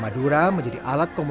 di india dan negara lainnya